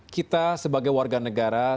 kita sebagai warga negara